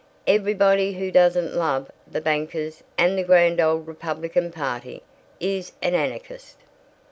Everybody who doesn't love the bankers and the Grand Old Republican Party is an anarchist."